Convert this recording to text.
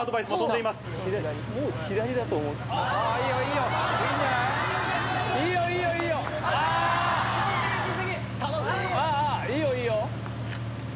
いいよ、いいよ。